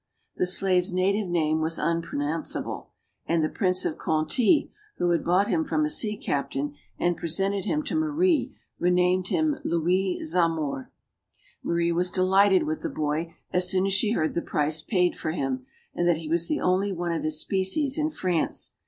The slave's native name was unpronounceable, and the Prince of Conti who had bought him from a sea captain and presented him to Marie renamed him Louis Zamore. Marie was delighted with the boy as soon as she heard the price paid for him, and that he was the only one of his species in France.